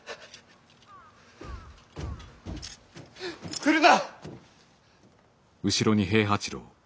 来るな！